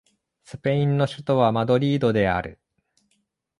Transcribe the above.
スペインの首都はマドリードである